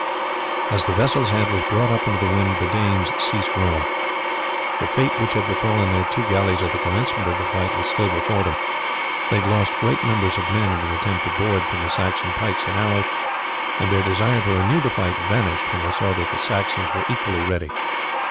As the vessel's head was brought up into the wind the Danes ceased rowing. The fate which had befallen their two galleys at the commencement of the fight was still before them. They had lost great numbers of men in the attempt to board from the Saxon pikes and arrows, and their desire to renew the fight vanished when they saw that the Saxons were equally ready.